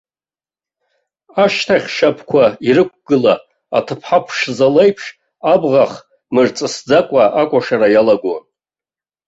Ашьҭахьтә шьапқәа ирықәгыла, аҭыԥҳа ԥшӡа леиԥш, абӷах мырҵысӡакәа акәашара иалагон.